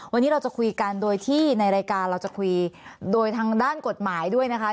วันนี้เราจะคุยกันโดยที่ในรายการเราจะคุยโดยทางด้านกฎหมายด้วยนะคะ